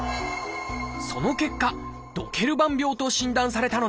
その結果「ドケルバン病」と診断されたのです。